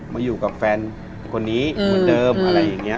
มาอยู่กับแฟนคนนี้เหมือนเดิมอะไรอย่างนี้